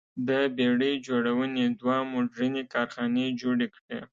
د بېړۍ جوړونې دوه موډرنې کارخانې جوړې کړې.